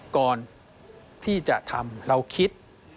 ก่อนที่จะทำเราคิด